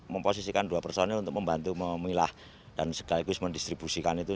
memposisikan dua personil untuk membantu memilah dan sekaligus mendistribusikan itu